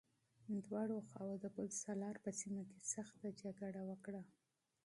دواړو خواوو د پل سالار په سيمه کې سخته جګړه وکړه.